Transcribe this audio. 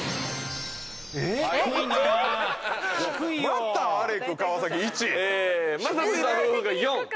またアレク・川崎１！魔裟斗さん夫婦が４。